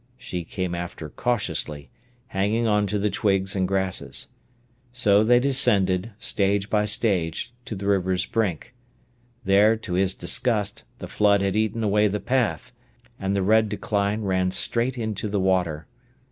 She came after cautiously, hanging on to the twigs and grasses. So they descended, stage by stage, to the river's brink. There, to his disgust, the flood had eaten away the path, and the red decline ran straight into the water.